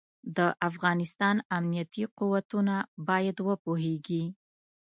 د افغانستان امنيتي قوتونه بايد وپوهېږي.